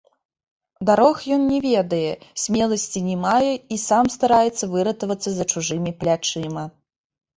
Дарог ён не ведае, смеласці не мае і сам стараецца выратавацца за чужымі плячыма.